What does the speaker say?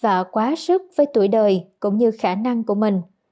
và quá sức với tuổi đời cũng như khả năng của mình